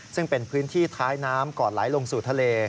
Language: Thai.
ซึ่งเป็นพื้นที่ท้ายน้ำก่อนไหลลงสู่ทะเล